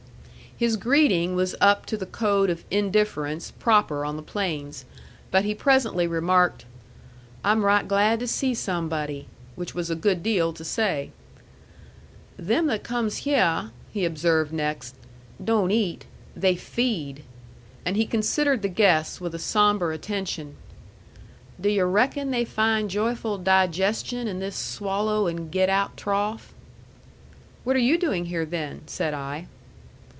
His greeting was up to the code of indifference proper on the plains; but he presently remarked, "I'm right glad to see somebody," which was a good deal to say. "Them that comes hyeh," he observed next, "don't eat. They feed." And he considered the guests with a sombre attention. "D' yu' reckon they find joyful digestion in this swallo' an' get out trough?" "What are you doing here, then?" said I.